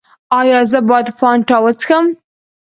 ایا زه باید فانټا وڅښم؟